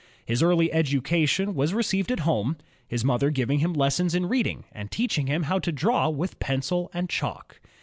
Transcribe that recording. His early education was received at home, his mother giving him lessons in reading, and teaching him to draw with pencil and chalk.